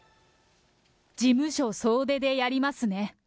事務所総出でやりますね。